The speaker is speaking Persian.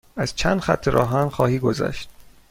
از چند خط راه آهن خواهی گذشت.